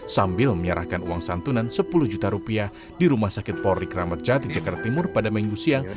sambil menyerahkan uang santunan sepuluh juta rupiah di rumah sakit polri kramat jati jakarta timur pada minggu siang